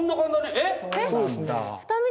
えっ！？